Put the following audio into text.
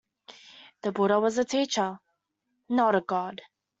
The Buddha was a teacher, not a god.